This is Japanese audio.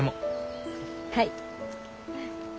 はい。